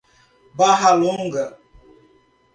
Barra Longa